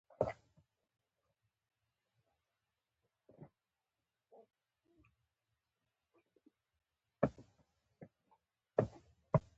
خو پۀ سترګو کښې ناامېدې ځلېده ـ